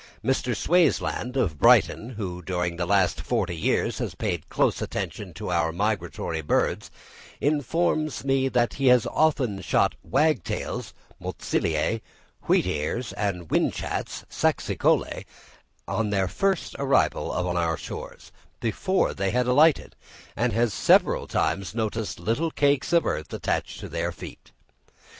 Mr. Swaysland, of Brighton, who during the last forty years has paid close attention to our migratory birds, informs me that he has often shot wagtails (Motacillæ), wheatears, and whinchats (Saxicolæ), on their first arrival on our shores, before they had alighted; and he has several times noticed little cakes of earth attached to their feet.